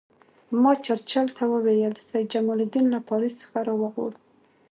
ما چرچل ته وویل سید جمال الدین له پاریس څخه را وغواړو.